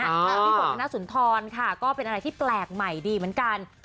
พี่ฝนธนสุนทรค่ะก็เป็นอะไรที่แปลกใหม่ดีเหมือนกัน